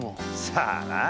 さあなあ？